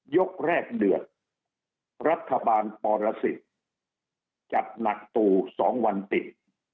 ยกแรกเดือดรัฐบาลปรสิทธิ์จัดหนักตู่๒วันติด